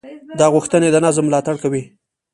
دا غوښتنې د نظم ملاتړ کوي.